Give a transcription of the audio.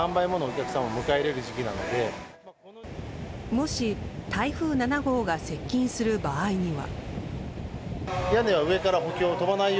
もし、台風７号が接近する場合には。